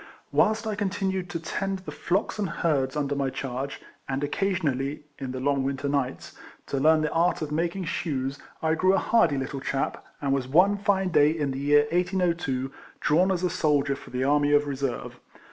Whilst I continued to tend the 'flocks and herds under my charge, and 2 RECOLLECTIONS OF occasionally (in the long winter nights) to learn the art of making shoes, I grew a hardy little chap, and was one fine day in the year 1802, drawn as a soldier for the Army of Reserve.